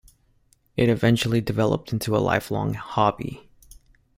It eventually developed into a lifelong hobby.